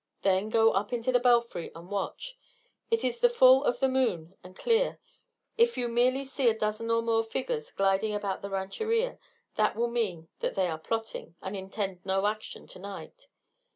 Then go up into the belfry and watch. It is the full of the moon and clear. If you merely see a dozen or more figures gliding about the rancheria, that will mean that they are plotting, and intend no action to night.